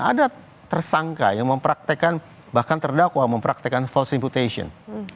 ada tersangka yang mempraktekan bahkan terdakwa mempraktekan false imputation